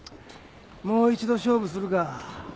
もう一度勝負するか？